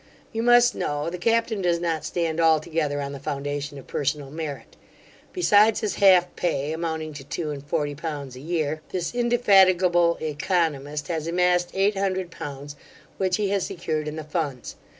You must know, the captain does not stand altogether on the foundation of personal merit. Besides his half pay, amounting to two and forty pounds a year, this indefatigable oeconomist has amassed eight hundred pounds, which he has secured in the funds.